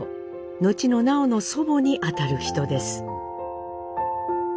後の南朋の祖母に当たる人です。